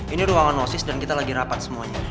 ini ruangan nosis dan kita lagi rapat semuanya